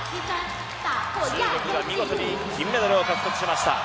中国が見事に金メダルを獲得しました。